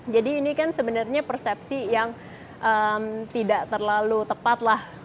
jadi ini kan sebenarnya persepsi yang tidak terlalu tepat lah